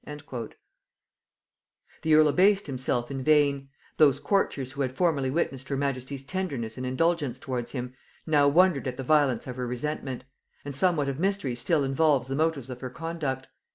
The earl abased himself in vain; those courtiers who had formerly witnessed her majesty's tenderness and indulgence towards him, now wondered at the violence of her resentment; and somewhat of mystery still involves the motives of her conduct.